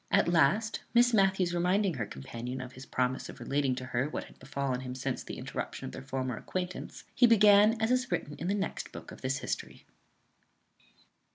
At last, Miss Matthews reminding her companion of his promise of relating to her what had befallen him since the interruption of their former acquaintance, he began as is written in the next book of this history.